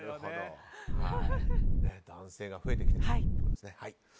男性が増えてきているということですね。